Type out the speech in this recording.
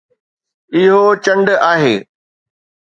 اهو چنڊ آهي